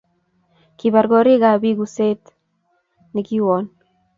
Kipar korik ab pik uset nekiwon